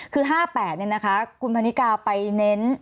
คือ๕๘เนี่ยนะคะคุณพันธิกาไปเน้น